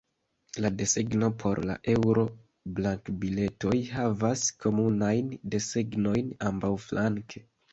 La desegno por la Eŭro-bankbiletoj havas komunajn desegnojn ambaŭflanke.